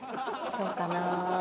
どうかな。